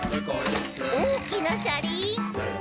「おおきなしゃりん！」